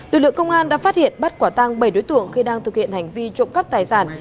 lực lượng công an đã phát hiện bắt quả tăng bảy đối tượng khi đang thực hiện hành vi trộm cắp tài sản